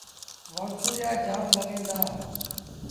وآنچوڙيآ جآم لڳيٚن دآ۔